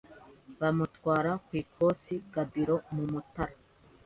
bamutwara ku ikosi I Gabiro mu Mutara